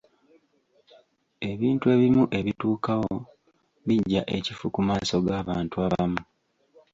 Ebintu ebimu ebituukawo bijja ekifu ku maaso g'abantu abamu.